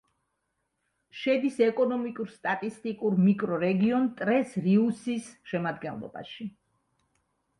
შედის ეკონომიკურ-სტატისტიკურ მიკრორეგიონ ტრეს-რიუსის შემადგენლობაში.